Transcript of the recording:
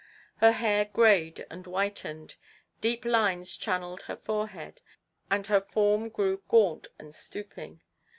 Her hair greyed and whitened, deep lines channelled her forehead, and her form grew gaunt and stoop ing.